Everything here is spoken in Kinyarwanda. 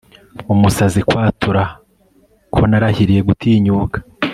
Umusazi kwatura ko narahiriye gutinyuka